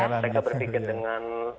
mereka berpikir dengan